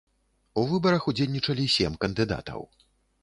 У выбарах удзельнічалі сем кандыдатаў.